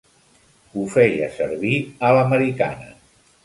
Ho feia servir a l'americana.